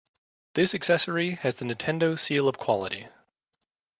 This accessory has the Nintendo Seal of Quality.